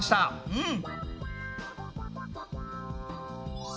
うん！